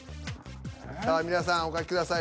さあ皆さんお書きください